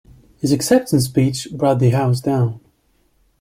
His acceptance speech "brought the house down".